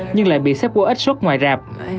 nhưng lại bị xếp quốc ích xuất ngoài rạp